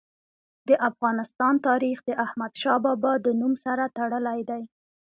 د افغانستان تاریخ د احمد شاه بابا د نوم سره تړلی دی.